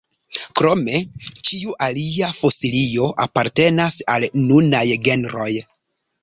Krome ĉiu alia fosilio apartenas al nunaj genroj.